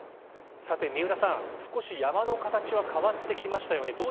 さて、三浦さん、少し山の形が変わってきましたよね。